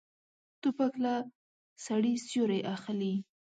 توپک له سړي سیوری اخلي.